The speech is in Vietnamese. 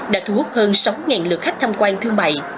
đã thu hút hơn sáu lượt khách tham quan thương mại